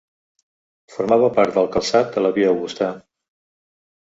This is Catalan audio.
Formava part del calçat de la Via Augusta.